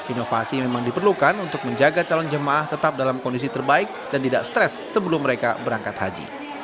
inovasi memang diperlukan untuk menjaga calon jemaah tetap dalam kondisi terbaik dan tidak stres sebelum mereka berangkat haji